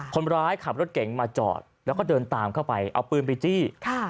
คนร้ายขับรถเก๋งมาจอดแล้วก็เดินตามเข้าไปเอาปืนไปจี้